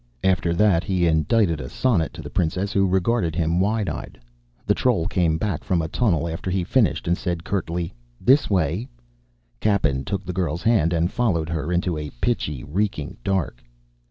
After that he indited a sonnet to the princess, who regarded him wide eyed. The troll came back from a tunnel after he finished, and said curtly: "This way." Cappen took the girl's hand and followed her into a pitchy, reeking dark.